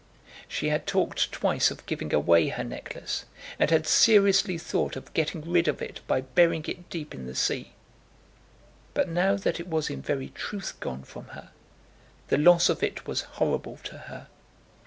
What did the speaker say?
She had talked twice of giving away her necklace, and had seriously thought of getting rid of it by burying it deep in the sea. But now that it was in very truth gone from her, the loss of it was horrible to her.